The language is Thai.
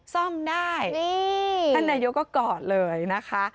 ท่านนายกรัฐมนตรีก็กล่อเลยนะคะ